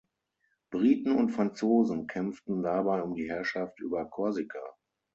Briten und Franzosen kämpften dabei um die Herrschaft über Korsika.